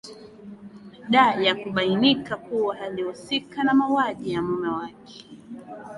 da ya kubainika kuwa alihusika na mauwaji ya mume wake